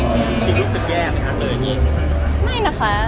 จริงรู้สึกแย่มั้ยคะเจอกันเอง